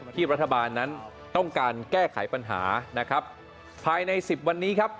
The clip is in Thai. ที่รัฐบาลนั้นต้องการแก้ไขปัญหานะครับภายในสิบวันนี้ครับ